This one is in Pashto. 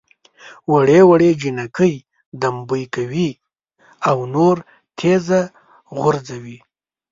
وړې وړې جنکۍ دمبۍ کوي او نور تیږه غورځوي.